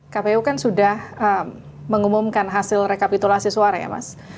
kpu kan sudah mengumumkan hasil rekapitulasi suara ya mas